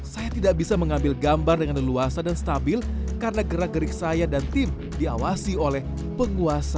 saya tidak bisa mengambil gambar dengan leluasa dan stabil karena gerak gerik saya dan tim diawasi oleh penguasa